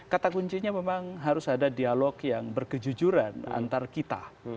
kata kuncinya memang harus ada dialog yang berkejujuran antar kita